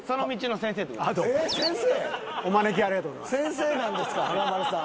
先生なんですか華丸さん。